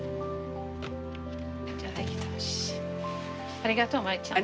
ありがとうマエちゃん。